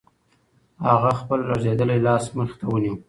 هغه خپل لړزېدلی لاس مخې ته ونیو.